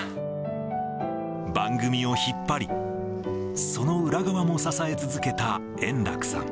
番組を引っ張り、その裏側も支え続けた円楽さん。